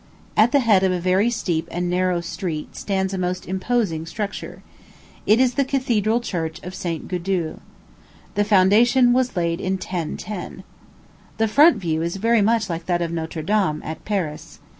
At the head of a very steep and narrow street stands a most imposing structure. It is the Cathedral Church of St. Gudule. The foundation was laid in 1010. The front view is very much like that of Notre Dame, at Paris.